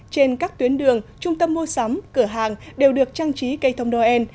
trên các tuyến đường trung tâm mua sắm cửa hàng đều được trang trí cây thông noel